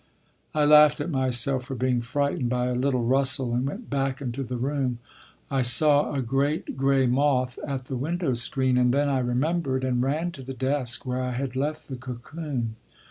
"I laughed at myself for being frightened by a little rustle and went back into the room. I saw a great gray moth at the window screen and then I remembered and ran to the desk where I had left the cocoon.